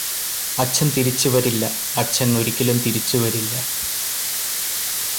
അച്ഛന് തിരിച്ച് വരില്ല അച്ഛന് ഒരിക്കലും തിരിച്ച് വരില്ല